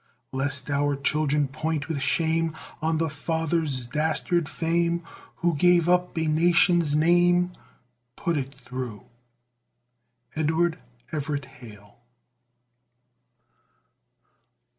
Lest our children point with shame On the fathers' dastard fame, Who gave up a nation's name, Put it through! EDWARD EVERETT HALE.